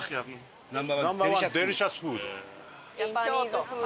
デリシャスフード。